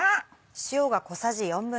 塩が小さじ１／４。